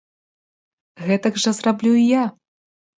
Гэтак жа зраблю і я!